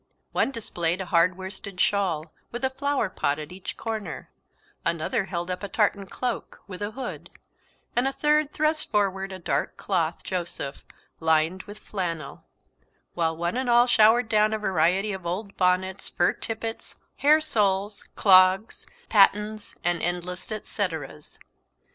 One displayed a hard worsted shawl, with a flower pot at each corner; another held up a tartan cloak, with a hood; and a third thrust forward a dark cloth Joseph, lined with flannel; while one and all showered down a variety of old bonnets, fur tippets, hair soles, clogs, pattens, and endless et ceteras.